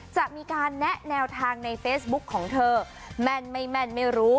จะมีการแนะแนวทางในเฟซบุ๊คของเธอแม่นไม่แม่นไม่รู้